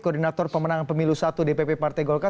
koordinator pemenang pemilu satu dpp partai golkar